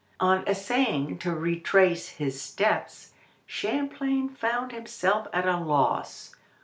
On essaying to retrace his steps Champlain found himself at a loss.